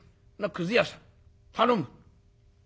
くず屋さん頼む